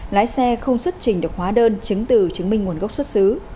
lái xe không xuất trình được hóa đơn chứng từ chứng minh nguồn gốc xuất xứ